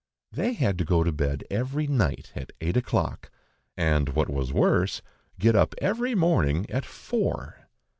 They had to go to bed every night at eight o'clock, and what was worse, get up every morning at four.